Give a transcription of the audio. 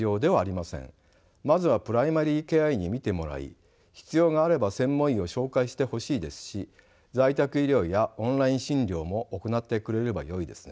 まずはプライマリケア医に診てもらい必要があれば専門医を紹介してほしいですし在宅医療やオンライン診療も行ってくれればよいですね。